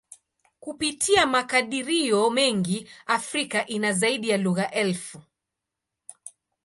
Kupitia makadirio mengi, Afrika ina zaidi ya lugha elfu.